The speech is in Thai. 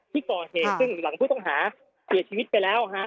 ที่ก่อเหตุซึ่งหลังผู้ต้องหาเสียชีวิตไปแล้วฮะ